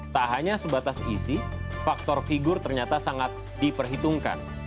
tak hanya sebatas isi faktor figur ternyata sangat diperhitungkan